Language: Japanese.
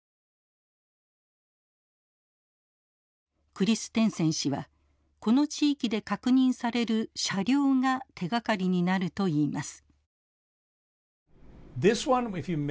クリステンセン氏はこの地域で確認される車両が手がかりになるといいます。